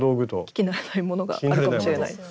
聞き慣れないものがあるかもしれないです。